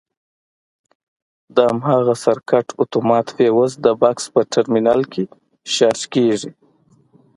د هماغه سرکټ اتومات فیوز د بکس په ترمینل کې شارټ کېږي.